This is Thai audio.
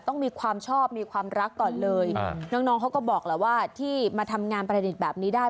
ต้องมีความชอบมีความรักก่อนเลยน้องเขาก็บอกแหละว่าที่มาทำงานประดิษฐ์แบบนี้ได้